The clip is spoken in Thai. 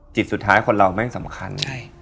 จิตสุดท้ายคนเราไม่สำคัญ